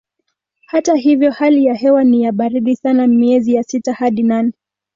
Hata hivyo hali ya hewa ni ya baridi sana miezi ya sita hadi nane.